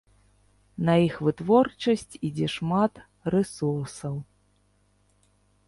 На іх вытворчасць ідзе шмат рэсурсаў.